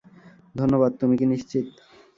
ধন্যবাদ - তুমি কি নিশ্চিত?